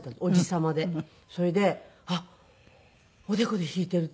それであっおでこで弾いているって。